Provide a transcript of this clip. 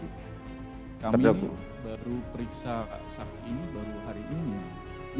kami baru periksa saat ini baru hari ini